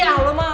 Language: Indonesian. aduh ada apa ya